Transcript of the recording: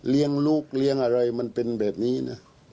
เรียงลูกเรียงอะไรมันเป็นแบบนี้นะ